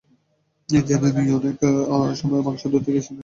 জেনে নিনঅনেক সময় মাংস ধুতে গিয়ে সিংকের পাইপের রাস্তা চর্বিতে বন্ধ হয়ে যায়।